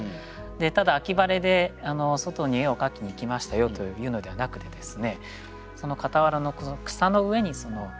ただ秋晴で外に絵を描きに行きましたよというのではなくてですね